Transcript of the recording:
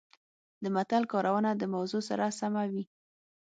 د متل کارونه د موضوع سره سمه وي